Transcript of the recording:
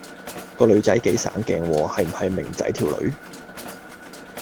個女仔幾省鏡喎，係唔係明仔條女